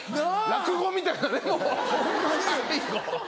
落語みたいな最後。